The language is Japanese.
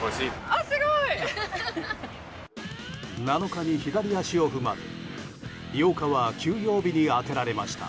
７日に左足を踏まれ８日は休養日に充てられました。